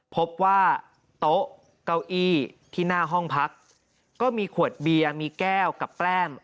พบว่าโต๊ะเก้าอี้ที่หน้าห้องพักก็มีขวดเบียร์มีแก้วกับแกล้ม